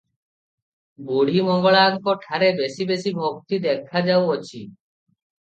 ବୁଢ଼ୀ ମଙ୍ଗଳାଙ୍କ ଠାରେ ବେଶି ବେଶି ଭକ୍ତି ଦେଖାଯାଉଅଛି ।